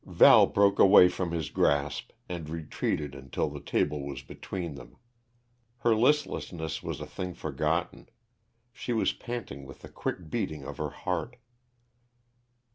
Val broke away from his grasp, and retreated until the table was between them. Her listlessness was a thing forgotten. She was panting with the quick beating of her heart.